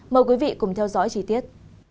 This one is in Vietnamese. mời quý vị cùng theo dõi trí tiết